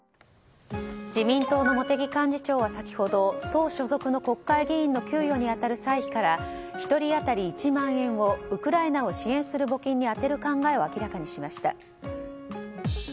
自民党の茂木幹事長は先ほど党所属の国会議員の給与に当たる歳費から１人当たり１万円をウクライナを支援する募金に充てる考えを明らかにしました。